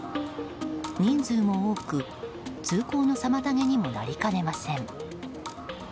人数も多く通行の妨げにもなりかねません。